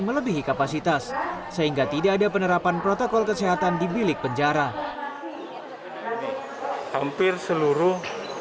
melebihi kapasitas sehingga tidak ada penerapan protokol kesehatan di bilik penjara hampir seluruh